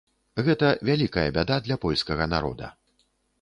Гэта вялікая бяда для польскага народа.